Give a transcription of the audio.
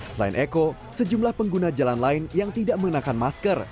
selain eko sejumlah pengguna jalan lain yang tidak mengenakan masker